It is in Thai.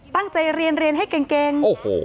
ตั้งใจเรียนให้เก่ง